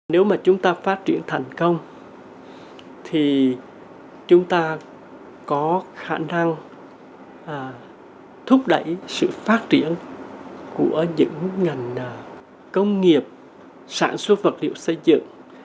nếu mà chúng ta phát triển thành công thì chúng ta có khả năng thúc đẩy sự phát triển của những ngành công nghiệp sản xuất vật liệu xây dựng